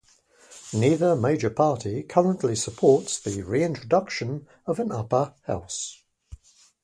Neither major party currently supports the reintroduction of an upper house.